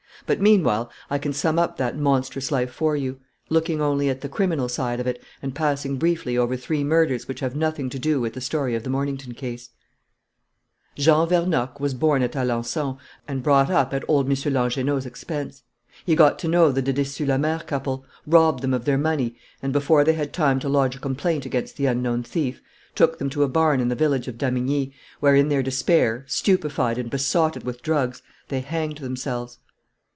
But meanwhile I can sum up that monstrous life for you, looking only at the criminal side of it, and passing briefly over three murders which have nothing to do with the story of the Mornington case. "Jean Vernocq was born at Alençon and brought up at old M. Langernault's expense. He got to know the Dedessuslamare couple, robbed them of their money and, before they had time to lodge a complaint against the unknown thief, took them to a barn in the village of Damigni, where, in their despair, stupefied and besotted with drugs, they hanged themselves.